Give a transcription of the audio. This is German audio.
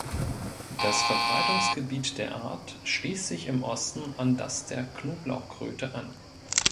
Das Verbreitungsgebiet der Art schließt sich im Osten an das der Knoblauchkröte an.